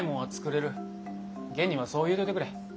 元にはそう言うといてくれ。